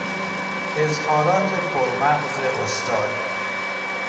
اظهارات پر مغز استاد